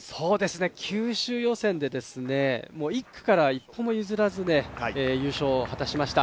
九州予選で１区から一歩も譲らずで優勝を果たしました。